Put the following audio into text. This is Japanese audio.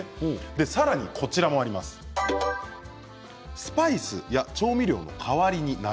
さらにスパイスや調味料の代わりになる。